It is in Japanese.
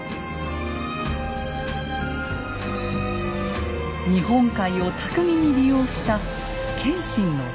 日本海を巧みに利用した謙信の戦術。